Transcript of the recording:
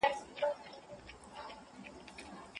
د مالونو بېرته ورکول يو لوی درس و.